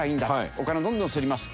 お金をどんどん刷ります。